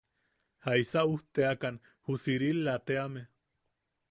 ¿Jaisa ujteakan ju Sirila teame?